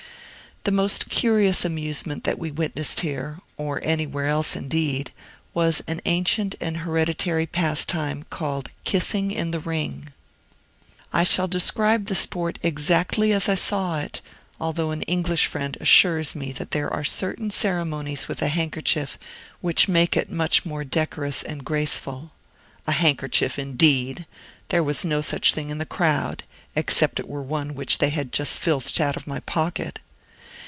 The most curious amusement that we witnessed here or anywhere else, indeed was an ancient and hereditary pastime called "Kissing in the Ring." I shall describe the sport exactly as I saw it, although an English friend assures me that there are certain ceremonies with a handkerchief, which make it much more decorous and graceful. A handkerchief, indeed! There was no such thing in the crowd, except it were the one which they had just filched out of my pocket.